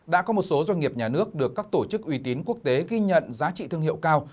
đã có một số doanh nghiệp nhà nước được các tổ chức uy tín quốc tế ghi nhận giá trị thương hiệu cao